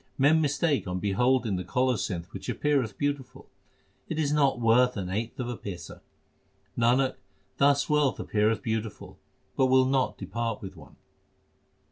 Men mistake on beholding the colocynth which appeareth beautiful It is not worth an eighth of a paisa ; Nanak, thus wealth appeareth beautiful, but will not depart with one.